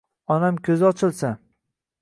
Onam ko‘zi ochilsa